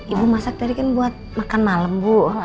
ibu masak tadi kan buat makan malam bu